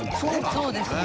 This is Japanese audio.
そうですね。